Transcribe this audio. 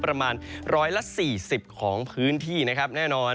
ประมาณ๑๔๐ของพื้นที่นะครับแน่นอน